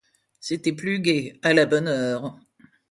C'était plus gai, à la bonne heure !